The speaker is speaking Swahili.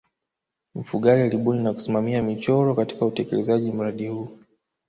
mfugale alibuni na kusimamia michoro katika kutelekeza mradi huu